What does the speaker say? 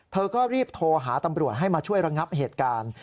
เธอก็รีบโทรหาตำรวจให้มาช่วยระงับเหตุการณ์